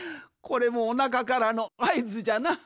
これもおなかからのあいずじゃな。